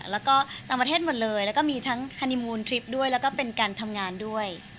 แล้วก็ต่างประเทศหมดเลยแล้วก็มีทั้งฮานิมูลทริปด้วยแล้วก็เป็นการทำงานด้วย